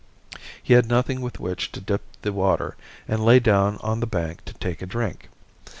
He had nothing with which to dip the water and lay down on the bank to take a drink.